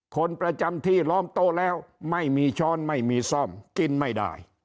คนประจำที่ล้อมโต๊ะแล้วไม่มีช้อนไม่มีซ่อมกินไม่ได้